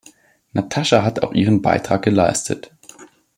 Natascha hat auch ihren Beitrag geleistet.